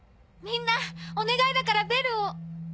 みんなお願いだからベルを！